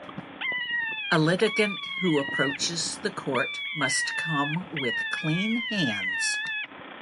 A litigant who approaches the court must come with clean hands.